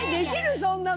そんな事。